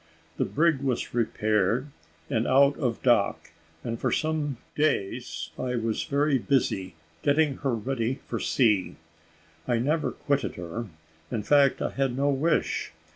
The brig was repaired and out of dock, and for some days I was very busy getting her ready for sea. I never quitted her; in fact, I had no wish.